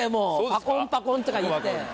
「パコンパコン」とかいって。